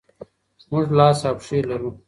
موږ لاس او پښې لرو.